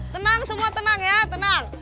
senang semua tenang ya tenang